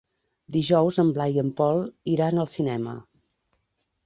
Dijous en Blai i en Pol iran al cinema.